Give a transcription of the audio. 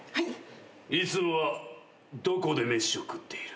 いつもはどこで飯を食っている？